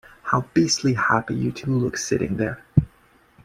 How beastly happy you two look sitting there!